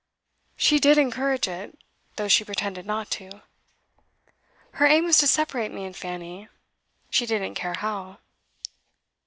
She did encourage it, though she pretended not to. Her aim was to separate me and Fanny she didn't care how.